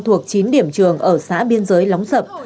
thuộc chín điểm trường ở xã biên giới lóng sập